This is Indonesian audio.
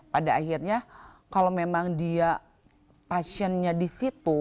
pada akhirnya kalau memang dia passionnya di situ